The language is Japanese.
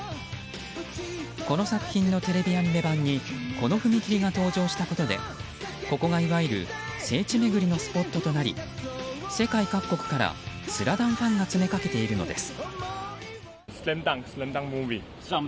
この作品のテレビアニメ版にこの踏切が登場したことでここがいわゆる聖地巡りのスポットとなり世界各国からスラダンファンが詰めかけているのです。